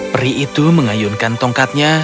peri itu mengayunkan tongkatnya